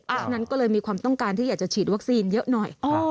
เพราะฉะนั้นก็เลยมีความต้องการที่อยากจะฉีดวัคซีนเยอะหน่อย